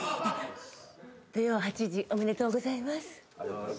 ありがとうございます。